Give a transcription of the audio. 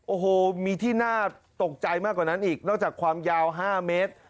โอ้โหมีที่น่าตกใจมากกว่านั้นอีกนอกจากความยาว๕เมตร